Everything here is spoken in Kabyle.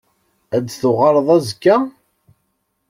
Ad d-tuɣaleḍ azekka?